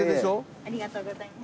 ありがとうございます。